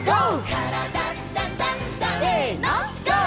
「からだダンダンダン」せのＧＯ！